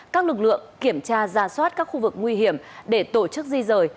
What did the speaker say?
các lực lượng kiểm tra ra soát các khu vực nguy hiểm để tổ chức di rời